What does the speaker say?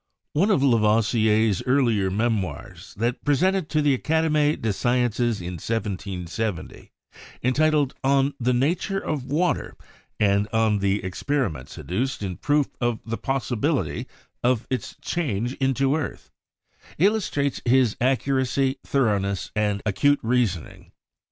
One of Lavoisier's earlier memoirs, that presented to the Academie des Sciences in 1770, entitled "On the Na ture of Water and on the Experiments adduced in Proof of the Possibility of its Change into Earth," illustrates his LAVOISIER 161 accuracy, thoroughness and acute reasoning.